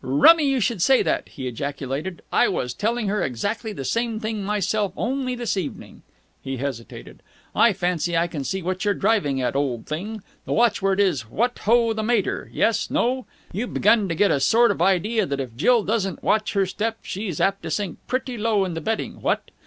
"Rummy you should say that," he ejaculated. "I was telling her exactly the same thing myself only this evening." He hesitated. "I fancy I can see what you're driving at, old thing. The watchword is 'What ho, the mater!' yes, no? You've begun to get a sort of idea that if Jill doesn't watch her step, she's apt to sink pretty low in the betting, what?